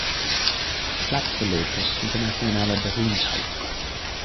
Platz belegte, internationale Berühmtheit.